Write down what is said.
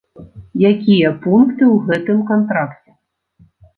Якія пункты ў гэтым кантракце?